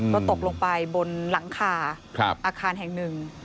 ก็ตกลงไปบนหลังคาอาคารแห่งหนึ่ง